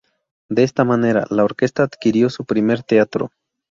De esta manera la orquesta adquirió su primer teatro.